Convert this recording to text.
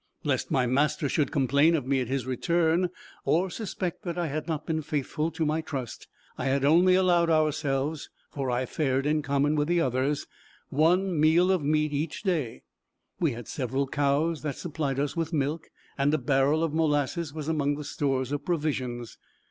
Lest my master should complain of me at his return, or suspect that I had not been faithful to my trust, I had only allowed ourselves (for I fared in common with the others) one meal of meat in each day. We had several cows that supplied us with milk, and a barrel of molasses was among the stores of provisions.